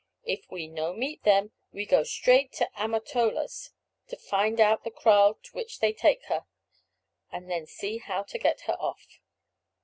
If we no meet them we go straight to Amatolas to find out the kraal to which they take her, and then see how to get her off."